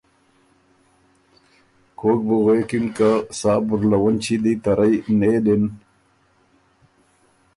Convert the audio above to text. کوک بُو غوېکِن که سا بُرلَوُنچی دی ته رئ نېلِن